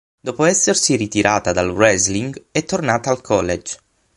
Dopo essersi ritirata dal wrestling, è tornata al college.